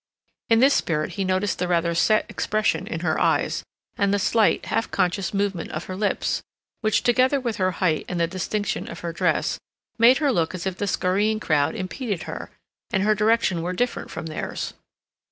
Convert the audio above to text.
In this spirit he noticed the rather set expression in her eyes, and the slight, half conscious movement of her lips, which, together with her height and the distinction of her dress, made her look as if the scurrying crowd impeded her, and her direction were different from theirs.